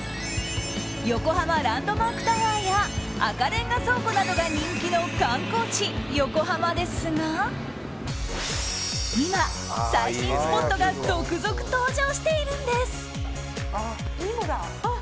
横浜ランドマークタワーや赤レンガ倉庫などが人気の観光地横浜ですが今、最新スポットが続々登場しているんです。